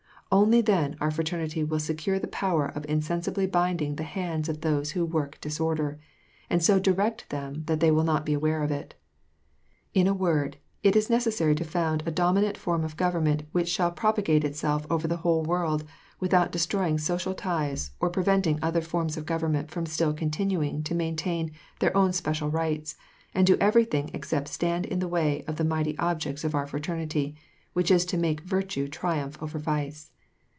Only then our Fra ternity will secure the power of insensibly binding the hands of those who work disorder, and so direct them that they will not be aware of it. In a word, it is necessary to found a dom inant form of government, which shall propagate itself over the whole world, without destroying social ties, or preventing other forms of government from still continuing to maintain their own special rights, and do everything except stand in the way of the mighty objects of our Fraternity, — which is to make virtue triumph over vice.